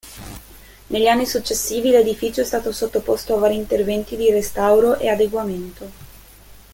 Negli anni successivi l'edificio è stato sottoposto a vari interventi di restauro e adeguamento.